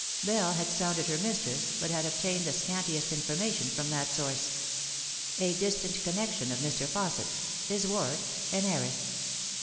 Bell had sounded her mistress, but had obtained the scantiest information from that source. A distant connection of Mr, Fausset's his ward, an heiress.